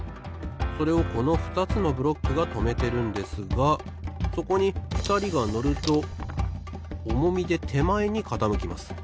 それをこのふたつのブロックがとめてるんですがそこにふたりがのるとおもみでてまえにかたむきます。